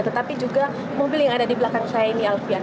tetapi juga mobil yang ada di belakang saya ini alfian